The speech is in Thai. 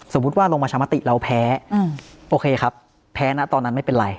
ว่าลงประชามติเราแพ้โอเคครับแพ้นะตอนนั้นไม่เป็นไร